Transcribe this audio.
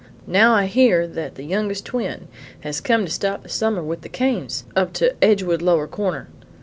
Now I hear say that the youngest twin has come to stop the summer with the Cames up to Edgewood Lower Corner."